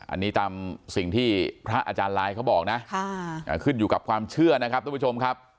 อันนี้ตามสิ่งที่พระอาจารย์ลายเขาบอกนะขึ้นอยู่กับความเชื่อนะครับทุกผู้ชมครับ